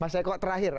mas eko terakhir